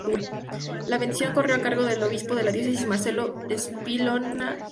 La bendición corrió a cargo del obispo de la diócesis Marcelo Spínola y Maestre.